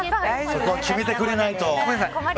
そこは決めてくれないと。